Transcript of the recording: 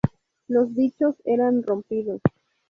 Los dichos eran rompido.